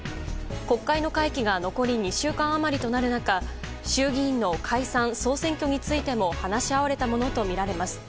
国会の会期が残り２週間余りとなる中衆議院の解散・総選挙についても話し合われたものとみられます。